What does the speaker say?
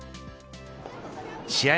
試合